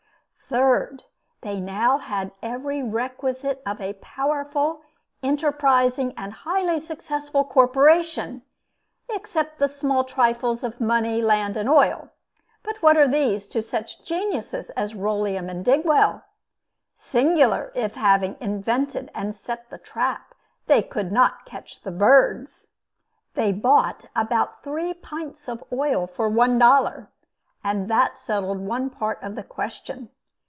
Third, they now had every requisite of a powerful, enterprising and highly successful corporation, except the small trifles of money, land and oil. But what are these, to such geniuses as Rolleum and Digwell? Singular if having invented and set the trap, they could not catch the birds! They bought about three pints of oil, for one dollar; and that settled one part of the question.